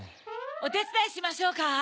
おてつだいしましょうか？